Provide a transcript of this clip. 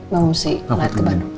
mama mesti ke bandung